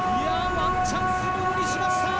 ワンチャンスをものにしました。